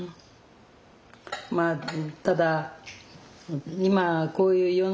まあただ今こういう世の中ですのでね